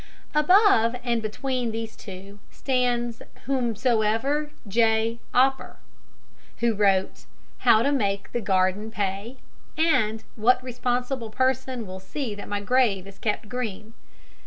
Above and between these two stands Whomsoever J. Opper, who wrote "How to make the Garden Pay" and "What Responsible Person will see that my Grave is kept green?"